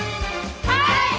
はい！